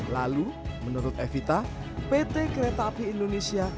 lalu menurut evita pt kereta api indonesia